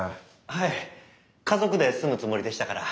はい家族で住むつもりでしたから。